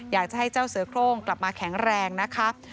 อยากจะให้เจ้าเสือโครงกลับมาแข็งแรงนะครับ